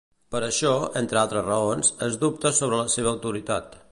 Per això, entre altres raons, es dubta sobre la seva autoritat.